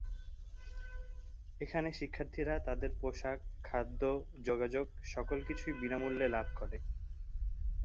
এখানে শিক্ষার্থীরা তাদের পোশাক, খাদ্য, যোগাযোগ সকল কিছুই বিনামূল্যে লাভ করে।